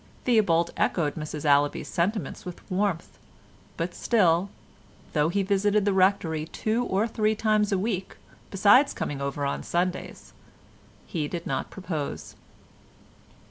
Theobald echoed Mrs Allaby's sentiments with warmth, but still, though he visited the Rectory two or three times a week, besides coming over on Sundays—he did not propose.